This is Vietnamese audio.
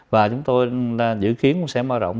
và chúng tôi dự kiến cũng sẽ mở rộng